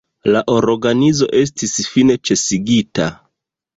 La organizo estis fine ĉesigita.